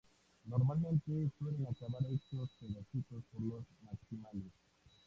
Normalmente suele acabar hecho pedacitos por los Maximales.